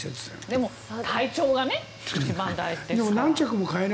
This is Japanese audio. でも体調が一番大事ですから。